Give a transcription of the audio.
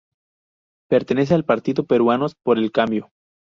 Pertenece al partido Peruanos por el Kambio.